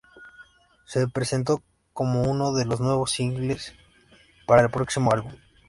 Se presentó como uno de los nuevos singles para el próximo álbum.